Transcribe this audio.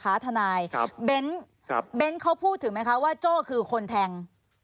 ทันนายเบ้นท์เค้าพูดถึงไหมครับว่าโจ้คือคนแทง